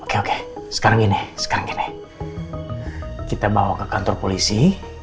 oke oke sekarang gini sekarang gini kita bawa ke kantor polisi